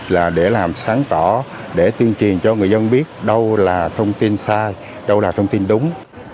là để làm sáng tỏ để tuyên truyền cho người dân biết đâu là thông tin sai đâu là thông tin đúng